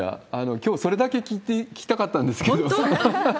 きょう、それだけ聞きたかったんですよ。